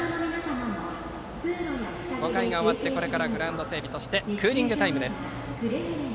５回が終わってグラウンド整備そしてクーリングタイムです。